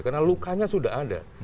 karena lukanya sudah ada